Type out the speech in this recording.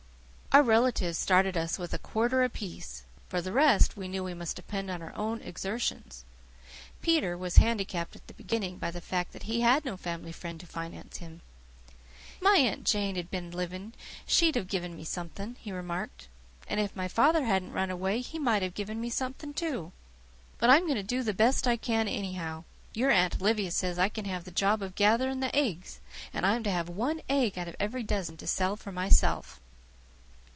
Our relatives started us with a quarter apiece. For the rest, we knew we must depend on our own exertions. Peter was handicapped at the beginning by the fact that he had no family friend to finance him. "If my Aunt Jane'd been living she'd have given me something," he remarked. "And if my father hadn't run away he might have given me something too. But I'm going to do the best I can anyhow. Your Aunt Olivia says I can have the job of gathering the eggs, and I'm to have one egg out of every dozen to sell for myself."